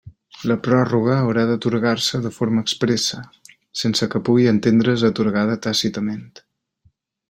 La pròrroga haurà d'atorgar-se de forma expressa, sense que pugui entendre's atorgada tàcitament.